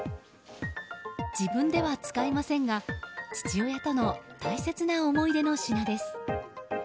自分では使いませんが父親との大切な思い出の品です。